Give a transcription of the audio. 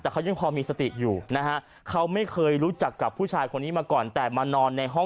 เขาเดินมาเก็บน้องเท้าผู้ชายเข้าห้องนอน